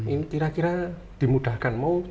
ini kira kira dimudahkan